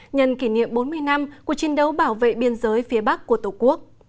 nhân kỷ niệm bốn mươi năm của chiến đấu bảo vệ biên giới phía bắc của tổ quốc